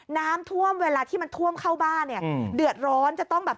น้ำท่วมเวลาที่มันท่วมเข้าบ้านเนี่ยเดือดร้อนจะต้องแบบ